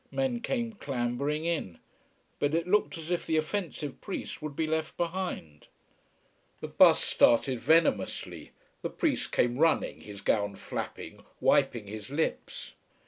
Men came clambering in. But it looked as if the offensive priest would be left behind. The bus started venomously, the priest came running, his gown flapping, wiping his lips.